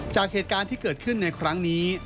จากเหตุการณ์ที่เกิดขึ้นในครั้งนี้